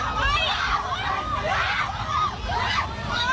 เลย